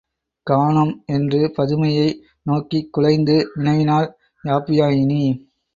காணோம்! என்று பதுமையை நோக்கிக் குழைந்து வினவினாள் யாப்பியாயினி.